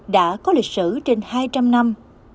đã có lịch sử trên hai trăm linh năm